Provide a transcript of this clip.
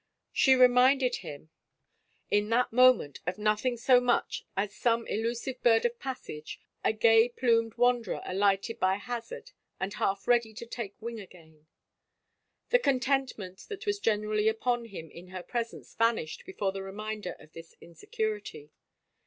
She reminded him in 105 THE FAVOR OF KINGS that moment of nothing so much as some elusive bird of passage, a gay plumed wanderer alighted by hazard and half ready to take wing again. The contentment that was generally upon him in her presence vanished before the reminder of this hisecurity.